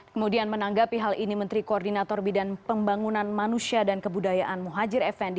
kemudian menanggapi hal ini menteri koordinator bidang pembangunan manusia dan kebudayaan muhajir effendi